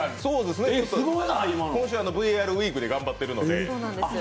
今週、ＶＡＲウィークで頑張ってるので。